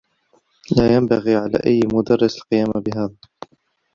لا ينبغي على أيّ مدرّس القيام بهذا.